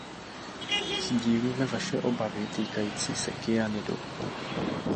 Sdílíme vaše obavy týkající se kyanidu.